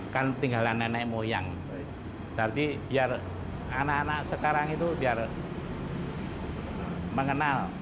kan tinggalan nenek moyang jadi biar anak anak sekarang itu biar mengenal